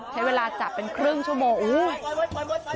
ใช้เวลาจับเป็นครึ่งชั่วโมงอื้อ